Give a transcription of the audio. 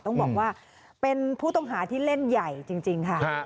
ต้องบอกว่าเป็นผู้ต้องหาที่เล่นใหญ่จริงค่ะ